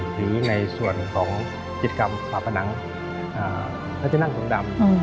หรือในส่วนของกิจกรรมฝาผนังพระที่นั่งทรงดำ